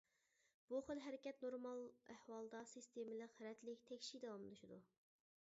بۇ خىل ھەرىكەت نورمال ئەھۋالدا سىستېمىلىق، رەتلىك، تەكشى داۋاملىشىدۇ.